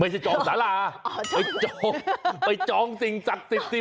ไม่ใช่จองสาลาไปจองสิ่งจากสิทธิปทธง